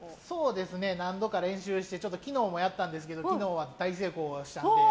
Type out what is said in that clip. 何度か練習して昨日もやったんですけど昨日は大成功したので。